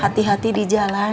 hati hati di jalan